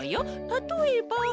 たとえば。